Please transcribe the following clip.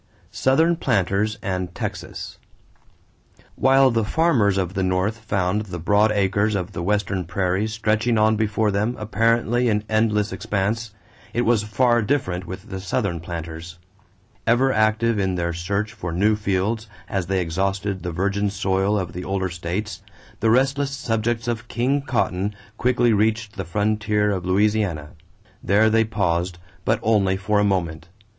=Southern Planters and Texas.= While the farmers of the North found the broad acres of the Western prairies stretching on before them apparently in endless expanse, it was far different with the Southern planters. Ever active in their search for new fields as they exhausted the virgin soil of the older states, the restless subjects of King Cotton quickly reached the frontier of Louisiana. There they paused; but only for a moment.